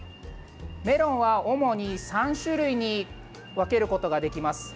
メロンは、主に３種類に分けることができます。